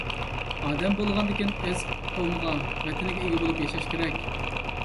ئادەم بولغاندىكىن ئۆز قوۋمىغا، ۋەتىنىگە ئىگە بولۇپ ياشاش كېرەك.